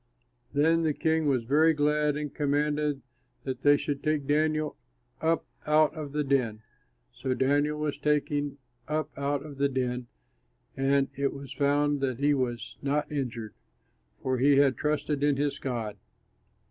Then the king was very glad and commanded that they should take Daniel up out of the den. So Daniel was taken up out of the den, and it was found that he was not injured, for he had trusted in his God.